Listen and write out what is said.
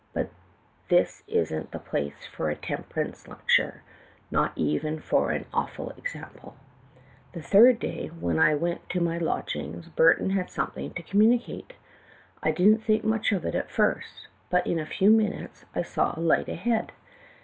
But this isn't the place for a temperance lecture, not even for an 'awful example.' "The third day, when I went to my lodgings. Burton had something to communicate. I didn't think much of it at first, but, in a few minutes, I saw a light ahead.